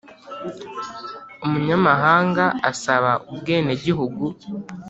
Umunyamahanga asaba ubwenegihugu.